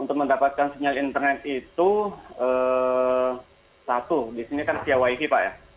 untuk mendapatkan sinyal internet itu satu di sini kan sia wai fi pak ya